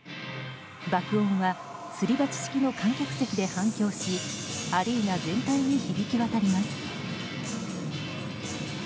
爆音は、すり鉢式の観客席で反響しアリーナ全体に響き渡ります。